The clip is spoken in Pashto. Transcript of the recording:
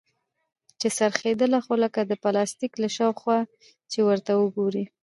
چې څرخېدله خو لکه د پلاستيک له شا څخه چې ورته وگورې.